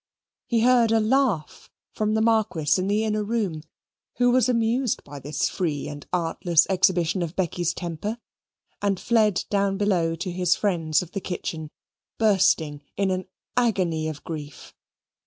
He heard a laugh from the Marquis in the inner room (who was amused by this free and artless exhibition of Becky's temper) and fled down below to his friends of the kitchen, bursting in an agony of grief.